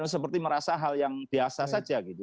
seperti merasa hal yang biasa saja gitu